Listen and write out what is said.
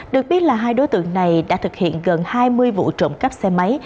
được biết là hai đối tượng này đã thực hiện gần hai mươi vụ trộm cắp xe máy